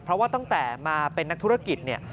เพราะว่าตั้งแต่มาเป็นนักธุรกิจเนี่ย